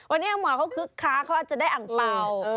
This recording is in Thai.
วันนี้อังหมวะเค้าคึกค้าเค้าอาจจะได้อังเปร่า